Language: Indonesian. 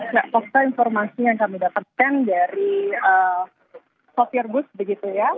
tidak fida informasi yang kami dapatkan dari software booth begitu ya